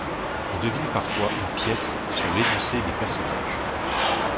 On devine parfois une pièce sur l'énoncé des personnages.